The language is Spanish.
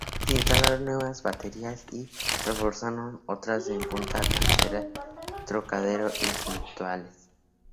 Se instalaron nuevas baterías y reforzaron otras en Punta Cantera, Trocadero y Puntales.